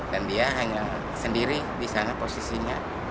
dan dia hanya sendiri di sana posisinya